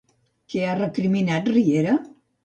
Què ha recriminat Riera?